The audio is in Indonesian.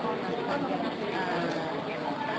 saya ingin mencari